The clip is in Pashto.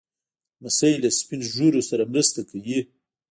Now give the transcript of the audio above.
لمسی له سپين ږیرو سره مرسته کوي.